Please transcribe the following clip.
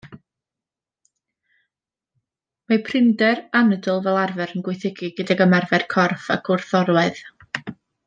Mae prinder anadl fel arfer yn gwaethygu gydag ymarfer corff ac wrth orwedd.